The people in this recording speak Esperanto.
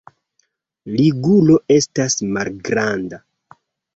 Ligulo estas malgranda.